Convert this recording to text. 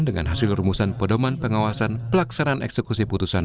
dengan hasil rumusan pedoman pengawasan pelaksanaan eksekusi putusan